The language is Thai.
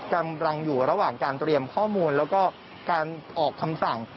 กำลังอยู่ระหว่างการเตรียมข้อมูลแล้วก็การออกคำสั่ง